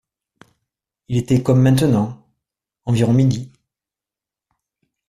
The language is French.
Il était comme maintenant… environ midi…